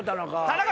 田中。